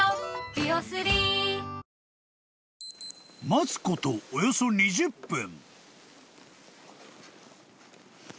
［待つことおよそ２０分］